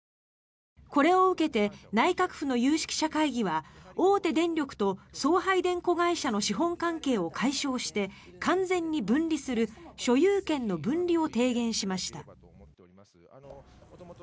これを受けて内閣府の有識者会議は大手電力と送配電子会社の資本関係を解消して完全に分離する所有権の分離を提言しました。